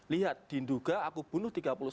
lihat di nduga aku bunuh tiga puluh satu